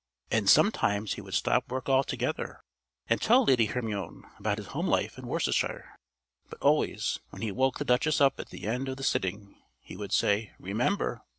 And sometimes he would stop work altogether and tell Lady Hermione about his home life in Worcestershire. But always, when he woke the Duchess up at the end of the sitting, he would say "Remember!"